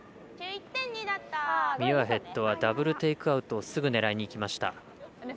ミュアヘッドはダブル・テイクアウトすぐに狙いにいきました。